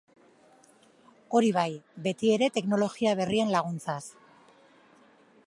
Hori bai beti ere teknologia berrien laguntzaz.